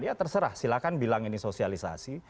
ya terserah silahkan bilang ini sosialisasi